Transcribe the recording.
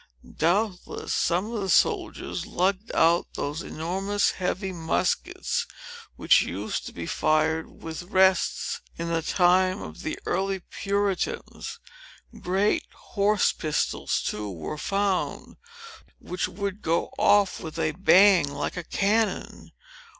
Doubtless, some of the soldiers lugged out those enormous, heavy muskets, which used to be fired with rests, in the time of the early Puritans. Great horse pistols, too, were found, which would go off with a bang like a cannon.